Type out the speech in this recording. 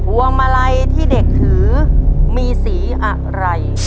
วงมาลัยที่เด็กถือมีสีอะไร